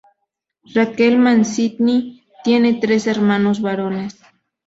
Raquel Mancini tiene tres hermanos varones.